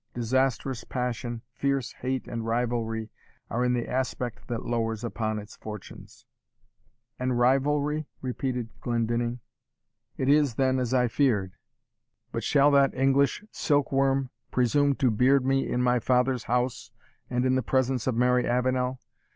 Disastrous passion, Fierce hate and rivalry, are in the aspect That lowers upon its fortunes." "And rivalry?" repeated Glendinning; "it is, then, as I feared! But shall that English silkworm presume to beard me in my father's house, and in the presence of Mary Avenel?